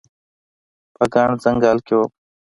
په ګڼ ځنګل کې وم